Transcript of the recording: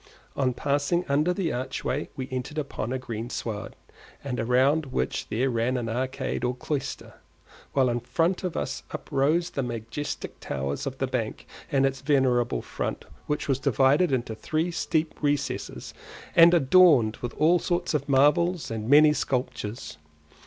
On passing under the archway we entered upon a green sward, round which there ran an arcade or cloister, while in front of us uprose the majestic towers of the bank and its venerable front, which was divided into three deep recesses and adorned with all sorts of marbles and many sculptures.